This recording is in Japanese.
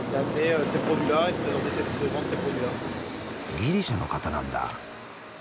ギリシャの方なんだ。